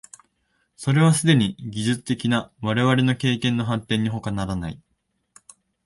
それはすでに技術的な我々の経験の発展にほかならない。